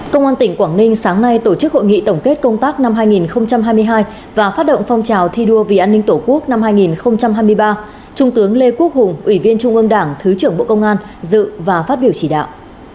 công an tỉnh quảng ninh sáng nay tổ chức hội nghị tổng kết công tác năm hai nghìn hai mươi hai và phát động phong trào thi đua vì an ninh tổ quốc năm hai nghìn hai mươi ba trung tướng lê quốc hùng ủy viên trung ương đảng thứ trưởng bộ công an dự và phát biểu chỉ đạo